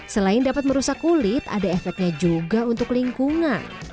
selain dapat merusak kulit ada efeknya juga untuk lingkungan